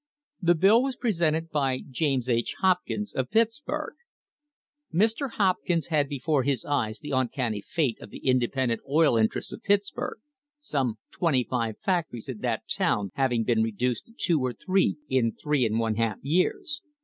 The bill was presented by James H. Hopkins of Pittsburg. Mr. Hopkins had before his eyes the uncanny fate of the independent oil interests of Pittsburg, some twenty five factories in that town having been reduced to two or three in three and one half years.